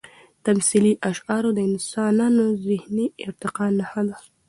تمثیلي اشعار د انسانانو د ذهني ارتقا نښه ده.